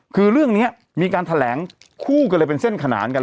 คือเรื่องนี้มีการแถลงคู่กันเลยเป็นเส้นขนานกัน